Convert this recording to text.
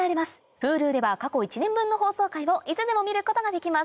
Ｈｕｌｕでは過去１年分の放送回をいつでも見ることができます